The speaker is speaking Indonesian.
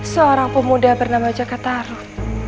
seorang pemuda bernama jakatarun